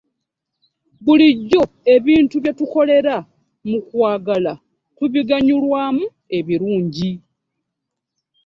Bulijjo ebintu byetukolera mu kwagala tubiganyolwamu ebirungi.